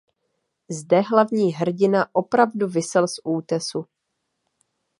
Zde hlavní hrdina opravdu visel z útesu.